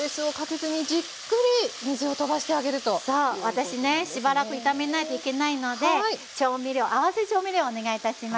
私ねしばらく炒めないといけないので調味料合わせ調味料お願いいたします。